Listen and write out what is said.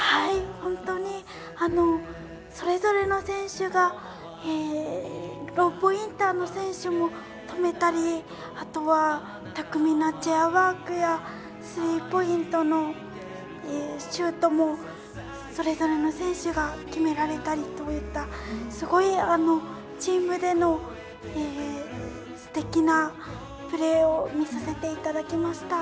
本当にそれぞれの選手がローポインターの選手も止めたり巧みなチェアワークやスリーポイントのシュートもそれぞれの選手が決められたりといったすごい、チームでのすてきなプレーを見させていただきました。